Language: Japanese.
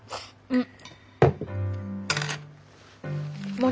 うん。